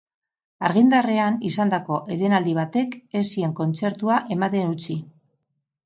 Argindarrean izandako etenaldi batek ez zien kontzertua ematen utzi.